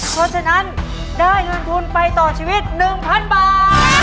เพราะฉะนั้นได้เงินทุนไปต่อชีวิต๑๐๐๐บาท